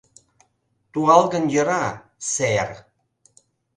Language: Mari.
— Туалгын йӧра, сэр.